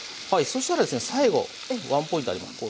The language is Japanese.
そしたらですね最後ワンポイントあります。